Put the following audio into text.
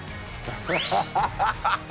ハハハハ！